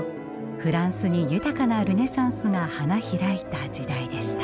フランスに豊かなルネサンスが花開いた時代でした。